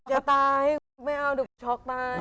จะตายไม่เอาดูช็อกตาย